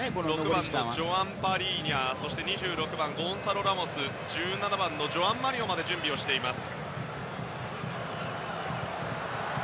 ６番のパリーニャにゴンサロ・ラモス１７番のジョアン・マリオまで準備しています。